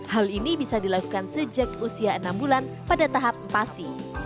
hal ini bisa dilakukan sejak usia enam bulan pada tahap empati